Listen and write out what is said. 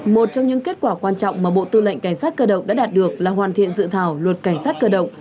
một trong những kết quả quan trọng mà bộ tư lệnh cảnh sát cơ động đã đạt được là hoàn thiện dự thảo luật cảnh sát cơ động